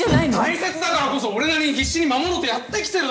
大切だからこそ俺なりに必死に守ろうとやってきてる